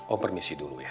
om permisi dulu ya